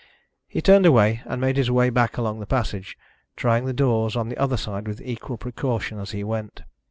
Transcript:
He turned away, and made his way back along the passage, trying the doors on the other side with equal precaution as he went.